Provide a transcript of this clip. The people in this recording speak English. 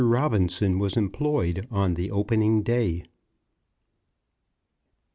ROBINSON WAS EMPLOYED ON THE OPENING DAY.